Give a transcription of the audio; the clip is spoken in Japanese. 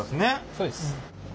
そうです。